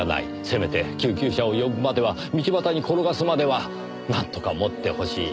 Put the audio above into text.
せめて救急車を呼ぶまでは道端に転がすまではなんとかもってほしい。